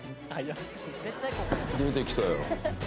出てきたよ。